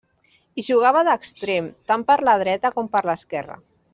Hi jugava d'extrem, tant per la dreta com per l'esquerra.